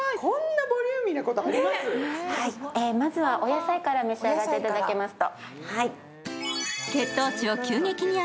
まずは、お野菜から召し上がっていただけますと。